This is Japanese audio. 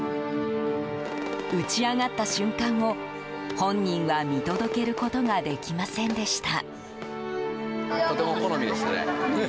打ち上がった瞬間を本人は、見届けることができませんでした。